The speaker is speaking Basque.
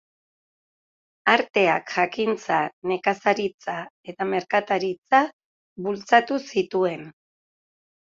Arteak, jakintza, nekazaritza eta merkataritza bultzatu zituen.